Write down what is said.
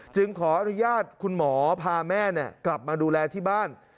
ขออนุญาตคุณหมอพาแม่กลับมาดูแลที่บ้าน